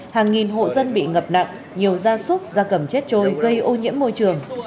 hàng nghìn hộ dân bị ngập nặng nhiều gia súc gia cầm chết trôi gây ô nhiễm môi trường